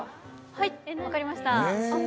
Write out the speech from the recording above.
はい、分かりました。